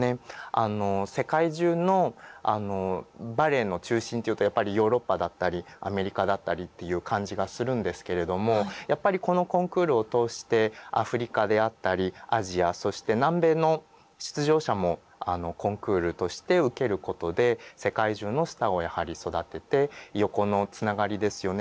世界中のバレエの中心というとやっぱりヨーロッパだったりアメリカだったりっていう感じがするんですけれどもやっぱりこのコンクールを通してアフリカであったりアジアそして南米の出場者もコンクールとして受けることで世界中のスターをやはり育てて横のつながりですよね